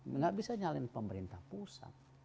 tidak bisa menyalahkan pemerintah pusat